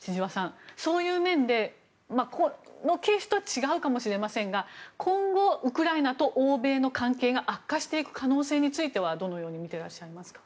そういう面で、このケースと違うかもしれませんが今後ウクライナと欧米の関係が悪化していく可能性についてはどのようにみていらっしゃいますか。